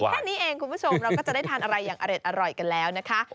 แค่นี้เองคุณผู้ชมเราก็จะได้ทานอะไรอย่างอร่อยกันแล้วนะคะ